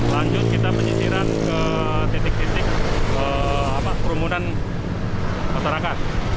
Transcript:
lanjut kita penyisiran ke titik titik kerumunan masyarakat